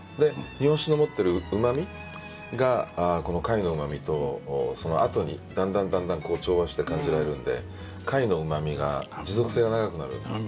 日本酒の持ってるうま味が貝のうま味とそのあとにだんだんだんだん調和して感じられるんで貝のうま味が持続性が長くなる。